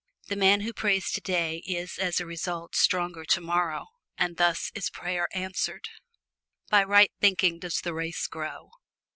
The man who prays today is as a result stronger tomorrow, and thus is prayer answered. By right thinking does the race grow.